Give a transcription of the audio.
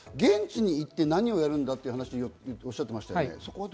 現地に行って何をやるんだという話をおっしゃっていましたね。